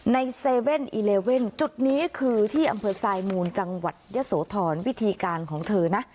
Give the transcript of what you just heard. ใน๗๑๑จุดนี้คือที่อำเภอทรายมูลจังหวัดยะโสธรวิธีการของเธอนะ